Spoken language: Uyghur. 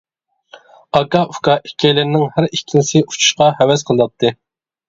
ئاكا-ئۇكا ئىككىيلەننىڭ ھەر ئىككىلىسى ئۇچۇشقا ھەۋەس قىلاتتى.